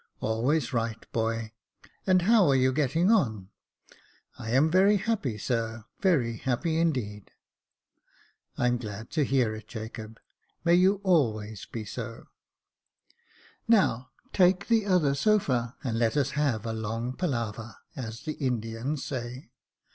*' Always right, boy ; and how are you getting on ?"*' I am very happy, sir, very happy, indeed." " I'm glad to hear it, Jacob ; may you always be so. Jacob Faithful 277 Now, take the other sofa, and let us have a long palaver, as the Indians say.